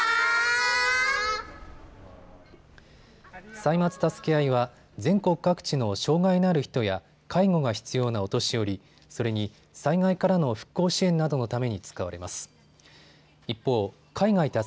歳末たすけあいは全国各地の障害のある人や介護が必要なお年寄り、それに災害からの復興支援などのために使われます。